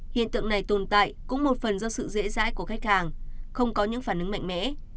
hiện tượng này tồn tại cũng một phần do sự dễ dãi của khách hàng không có những phản ứng mạnh mẽ